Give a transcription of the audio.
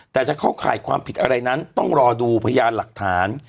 แต่จะเข้าข่ายความผิดอะไรนั้นต้องรอดูพยานหลักฐาน